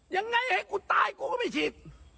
ยังไงให้กูตายกูก็ไม่ฉีด